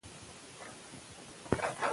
ژوند د انسان د فکر او احساس ګډ انځور دی.